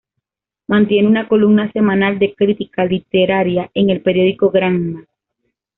Mantiene una columna semanal de crítica literaria en el Periódico Granma.